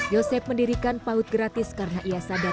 yosep mendirikan paut gratis karena ia sadar